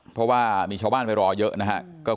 เพราะว่ามีชาวบ้านไปรอเยอะนะครับ